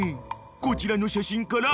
［こちらの写真から］